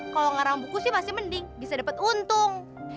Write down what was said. kalau ngarang buku sih pasti mending bisa dapat untung